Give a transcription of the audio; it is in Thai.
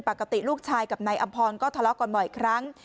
ปกติลูกชายกับนายอำพรก็ทะเลาะกันบ่อยครั้ง